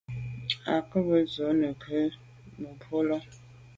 À be z’o kô neghù wut mebwô là.